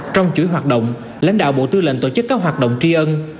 trong chuỗi hoạt động lãnh đạo bộ tư lệnh tổ chức các hoạt động tri ân